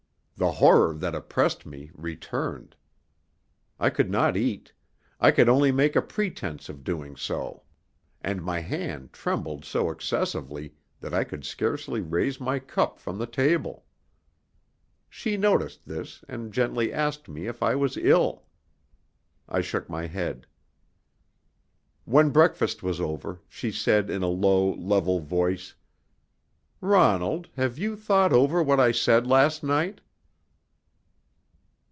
The horror that oppressed me returned. I could not eat I could only make a pretence of doing so; and my hand trembled so excessively that I could scarcely raise my cup from the table. She noticed this, and gently asked me if I was ill. I shook my head. When breakfast was over, she said in a low, level voice: "Ronald, have you thought over what I said last night?"